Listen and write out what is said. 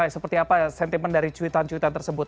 seperti apa sentimen dari cuitan cuitan tersebut